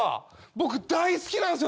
僕大好きなんすよ